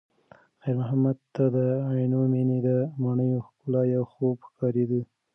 خیر محمد ته د عینومېنې د ماڼیو ښکلا یو خوب ښکارېده.